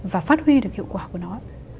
và phát huy được hiệu quả của nó